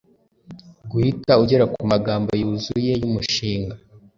guhita ugera kumagambo yuzuye yumushinga